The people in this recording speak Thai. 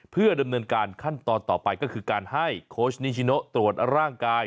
เพื่อดำเนินการขั้นตอนต่อไปก็คือการให้โค้ชนิชิโนตรวจร่างกาย